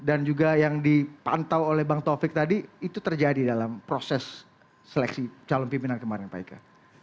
dan juga yang dipantau oleh bang taufik tadi itu terjadi dalam proses seleksi calon pimpinan kemarin pak ika